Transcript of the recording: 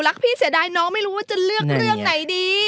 พี่เสียดายน้องไม่รู้ว่าจะเลือกเรื่องไหนดี